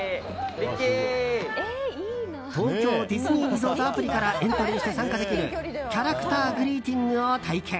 リゾート・アプリからエントリーして参加できるキャラクターグリーティングを体験！